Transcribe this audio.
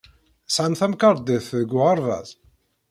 Tesɛamt tamkarḍit deg uɣerbaz?